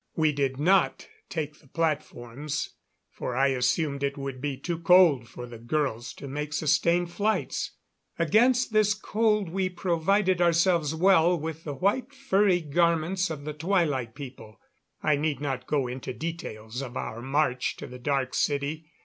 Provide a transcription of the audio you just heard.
We did not take the platforms, for I assumed it would be too cold for the girls to make sustained flights. Against this cold we provided ourselves well with the white furry garments of the Twilight People. I need not go into details of our march to the Dark City.